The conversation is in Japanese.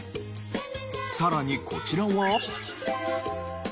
さらにこちらは。